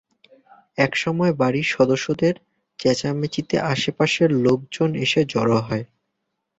এ সময় বাড়ির সদস্যদের চেচাঁমেচিতে আশপাশের লোকজন এসে জড়ো হয়।